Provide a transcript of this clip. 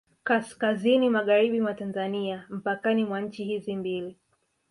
Kaskazini magharibi mwa Tanzania mpakani mwa nchi hizi mbili